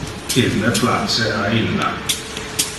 Ille place a illa.